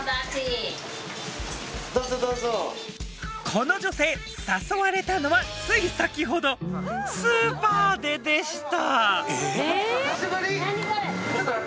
この女性誘われたのはつい先ほどスーパーででした。